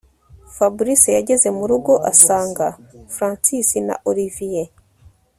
Fabric yageze murugo asanga Francis na Olivier